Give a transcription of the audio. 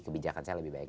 kebijakan saya lebih baik